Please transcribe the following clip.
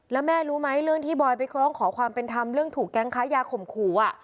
แล้วแม่รู้ไหมเรื่องที่บอยไปร้องขอความเป็นธรรมเรื่องถูกแก๊งค้ายาข่มขู่